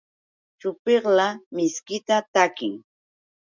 Chupiqla mishkita takin.